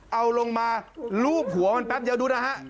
เอาลงมาลูบหัวแปบเดียวดูนะครับ